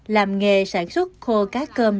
làm nghề sản xuất khô cá cơm